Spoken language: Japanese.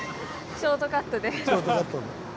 ショートカットで。